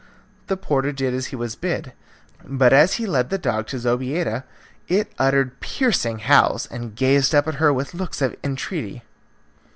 The porter did as he was bid, but as he led the dog to Zobeida it uttered piercing howls, and gazed up at her with looks of entreaty.